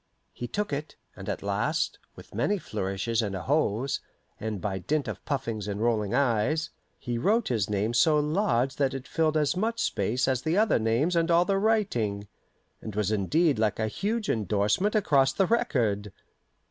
He took it, and at last, with many flourishes and ahos, and by dint of puffings and rolling eyes, he wrote his name so large that it filled as much space as the other names and all the writing, and was indeed like a huge indorsement across the record.